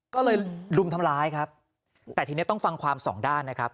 ก็เลยรุมทำร้ายครับแต่ทีนี้ต้องฟังความสองด้านนะครับ